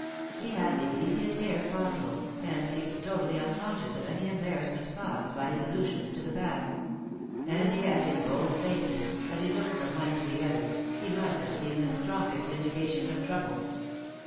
He had the easiest air possible, and seemed totally uncon scious of any embarrassment caused by his allusions to the past ; and yet in both faces, as he looked from one to the other, he must have seen the strongest indications of trouble.